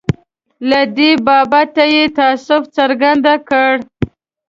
له دې بابته یې تأسف څرګند کړ.